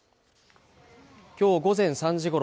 今日午前３時ごろ